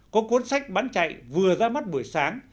có cuốn sách bán chạy vừa ra mắt buổi sáng